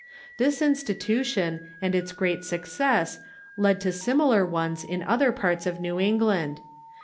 This institution and its great success led to similar ones in other parts of New England.